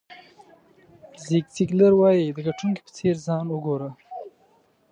زیګ زیګلر وایي د ګټونکي په څېر ځان وګوره.